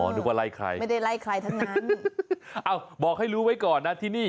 นึกว่าไล่ใครไม่ได้ไล่ใครทั้งนั้นอ้าวบอกให้รู้ไว้ก่อนนะที่นี่